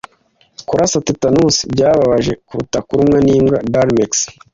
Kurasa tetanusi byababaje kuruta kurumwa n'imbwa. (darinmex)